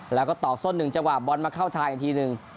แล้วก็ตอกส้น๑จังหวะบอลมาเข้าทางอีกทีหนึ่ง